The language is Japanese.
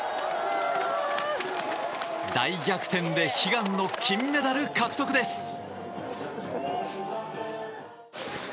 大逆転で悲願の金メダル獲得です。